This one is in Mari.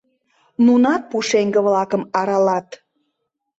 Нунат пушеҥге-влакым аралат.